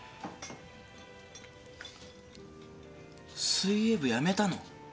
水泳部辞めたの？